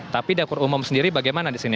tapi dapur umum sendiri bagaimana di sini